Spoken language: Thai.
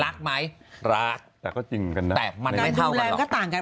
รักไหมรักแต่มันไม่เท่ากันหรอก